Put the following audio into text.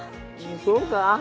そうか？